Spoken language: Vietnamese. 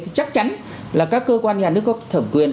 thì chắc chắn là các cơ quan nhà nước có thẩm quyền